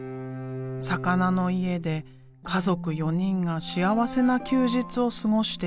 魚の家で家族４人が幸せな休日を過ごしている。